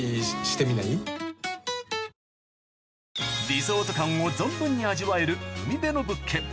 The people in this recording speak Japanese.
リゾート感を存分に味わえる海辺の物件